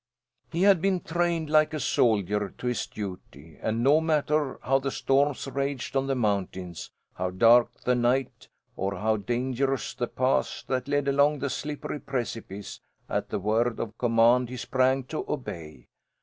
"He had been trained like a soldier to his duty, and no matter how the storms raged on the mountains, how dark the night, or how dangerous the paths that led along the slippery precipices, at the word of command he sprang to obey.